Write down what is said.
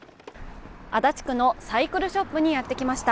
足立区のサイクルショップにやってきました。